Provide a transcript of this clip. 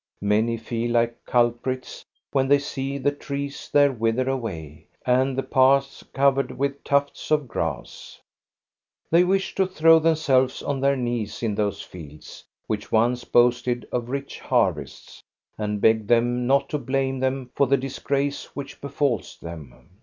Many feel like culprits when they see the trees there wither away, and the paths covered with tufts of grass. They wish to throw themselves on their knees in those fields, which once boasted of rich harvests, and beg them not to blame them for the disgrace which befalls them.